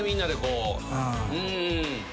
うん。